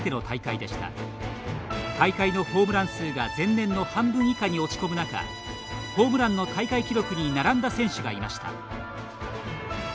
大会のホームラン数が前年の半分以下に落ち込む中ホームランの大会記録に並んだ選手がいました。